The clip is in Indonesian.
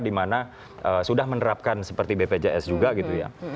dimana sudah menerapkan seperti bpjs juga gitu ya